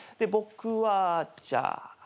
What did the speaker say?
僕はじゃあ。